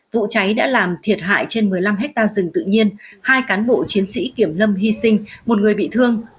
vụ cháy đã làm thiệt hại trên một mươi năm hectare rừng tự nhiên hai cán bộ chiến sĩ kiểm lâm hy sinh một người bị thương